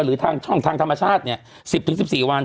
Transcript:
หรือทางช่องทางธรรมชาติ๑๐๑๔วัน